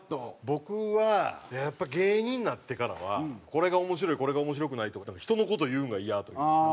僕はやっぱ芸人になってからはこれが面白いこれが面白くないとか人の事言うのはイヤというか。